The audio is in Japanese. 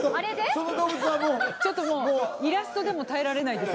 その動物はもうちょっともうイラストでも耐えられないです